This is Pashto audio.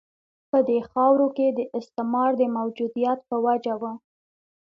په دې خاورو کې د استعمار د موجودیت په وجه وه.